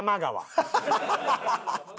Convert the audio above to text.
ハハハハ！